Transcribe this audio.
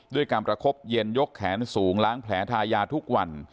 ด้วยการประคบเย็นยกแขนสูงล้างแผลทายาทุกวัน